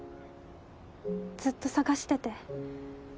ずっと探してて。